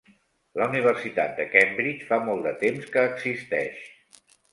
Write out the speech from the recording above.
La Universitat de Cambridge fa molt de temps que existeix.